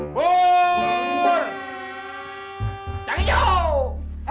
ndien gua pengen lu mandiri